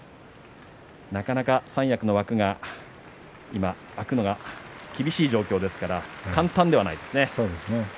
なかなか三役の枠が今、空くのが厳しい状況ですから簡単ではないですね。